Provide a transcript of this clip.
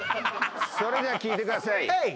それでは聴いてください。